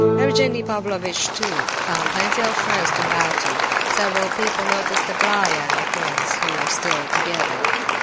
Evgenie Pavlovitch, too, found plenty of friends to bow to. Several people noticed Aglaya and the prince, who were still together.